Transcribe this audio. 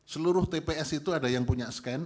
seluruh tps itu ada yang punya scan